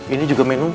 ini juga menu